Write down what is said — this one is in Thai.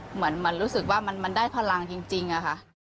เหมือนมันรู้สึกว่ามันได้พลังจริงอะค่ะ